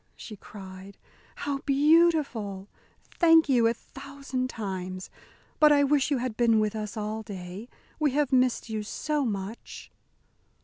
she cried, "how beautiful! Thank you a thousand times. But I wish you had been with us all day. We have missed you so much!"